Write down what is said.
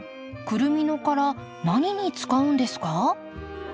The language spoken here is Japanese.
クルミの殻何に使うんですか？